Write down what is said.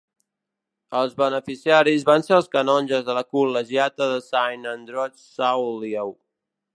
Els beneficiaris van ser els canonges de la Col·legiata de Saint Andoche Saulieu.